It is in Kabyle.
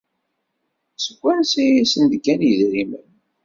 Seg wansi ay asen-d-kkan yidrimen?